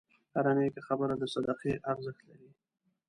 هره نیکه خبره د صدقې ارزښت لري.